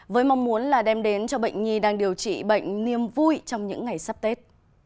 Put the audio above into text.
với mong muốn là đem đến cho bệnh nhi đang điều trị bệnh niêm vui trong những ngày sắp tết